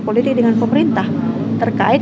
politik dengan pemerintah terkait